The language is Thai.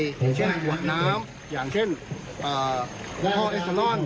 อย่างเช่นหัวน้ำอย่างเช่นพ่อเอสเตอรอล